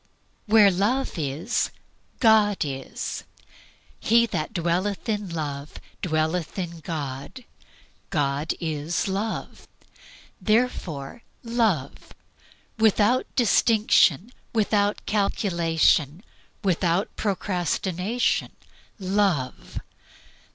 Where Love is, God is. He that dwelleth in Love dwelleth in God. God is Love. Therefore love. Without distinction, without calculation, without procrastination, love.